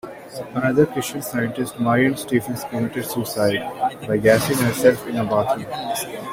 Another Christian Scientist Marion Stephens committed suicide by gassing herself in a bathroom.